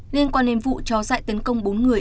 liên quan đến vụ chó dại tấn công bốn người